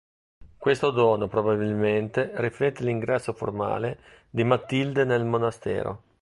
Questo dono probabilmente riflette l'ingresso formale di Matilde nel monastero.